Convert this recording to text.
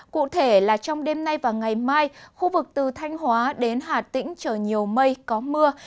cụ thể là trong đêm nay và ngày mai khu vực từ thanh hóa đến hà tĩnh trời nhiều mây có mưa